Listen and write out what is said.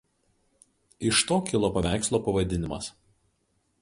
Iš to kilo paveikslo pavadinimas.